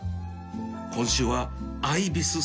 今週は